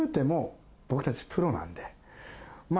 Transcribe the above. まあ